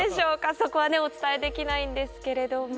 そこはお伝えできないんですけれども。